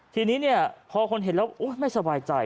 ทีนี้เนี่ยพอคนเห็นแล้วไม่สบายใจ